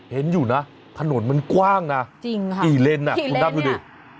เห็นอยู่นะถนนมันกว้างนะจริงค่ะอีเลนน่ะคุณดับดูดิ